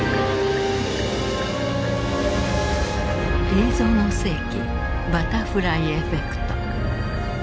「映像の世紀バタフライエフェクト」。